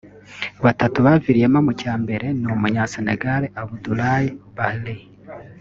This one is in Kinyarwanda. batatu baviriyemo mu cya mbere ni Umunya-Senegal Abdoulaye Bathily